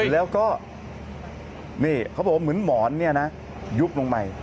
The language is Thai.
แล้วก็นี่เขาบอกว่าเหมือนหมอนเนี่ยนะยุบลงไป